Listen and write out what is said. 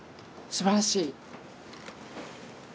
すばらしい！